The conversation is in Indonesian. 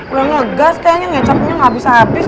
udah ngegas kayaknya ngecapnya gak abis abis